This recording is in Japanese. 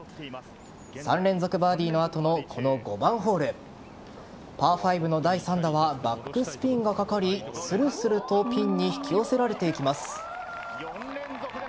３連続バーディーの後のこの５番ホールパー５の第３打はバックスピンがかかりするするとピンに引き寄せられていきます。